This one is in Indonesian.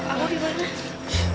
aku di mana